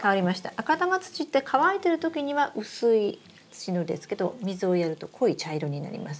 赤玉土って乾いてるときには薄い土の色ですけど水をやると濃い茶色になります。